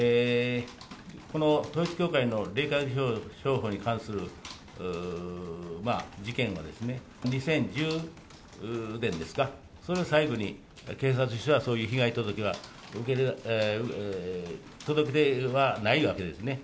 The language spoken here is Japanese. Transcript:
この統一教会の霊感商法に関する事件は、２０１０年ですか、それを最後に、警察としてはそういう被害届は、届け出はないわけですね。